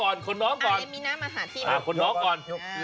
โอ้โฮมีสองด้วย